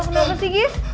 kenapa sih gif